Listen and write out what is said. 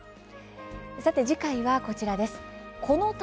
さて、次回はこちらです。